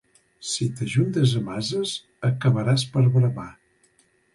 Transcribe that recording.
Si t'ajuntes amb ases acabaràs per bramar.